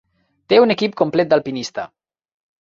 Té un equip complet d'alpinista.